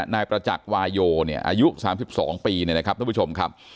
นายประจักษ์วายโยเนี้ยอายุสามสิบสองปีนี่นะครับท่านผู้ชมครับ